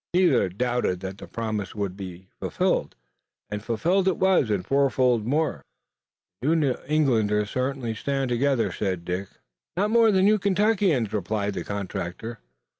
Neither doubted that the promise would be fulfilled, and fulfilled it was and fourfold more. "You New Englanders certainly stand together," said Dick. "Not more than you Kentuckians," replied the contractor.